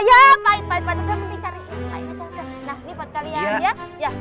ya salah boleh uya ambil cucian di kota palu kesian delu ya iyalah